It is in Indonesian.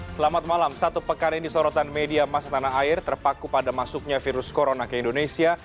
selamat malam satu pekan ini sorotan media masa tanah air terpaku pada masuknya virus corona ke indonesia